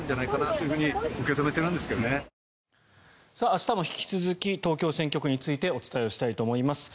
明日も引き続き東京選挙区についてお伝えをしたいと思います。